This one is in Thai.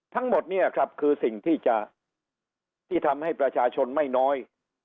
ทั้งหมดเนี่ยครับคือสิ่งที่ทำให้ประชาชนไม่น้อย